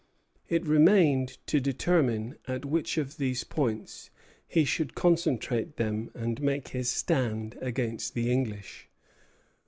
It remained to determine at which of these points he should concentrate them and make his stand against the English.